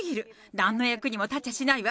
なんの役にも立ちゃしないわ。